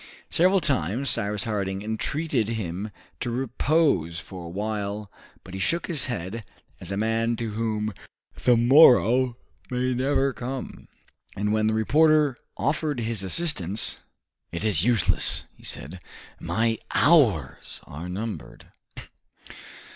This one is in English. Several times Cyrus Harding entreated him to repose for a while, but he shook his head as a man to whom the morrow may never come, and when the reporter offered his assistance, "It is useless," he said; "my hours are numbered."